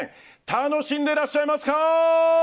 楽しんでいらっしゃいますか！